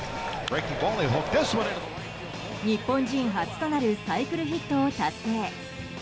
日本人初となるサイクルヒットを達成。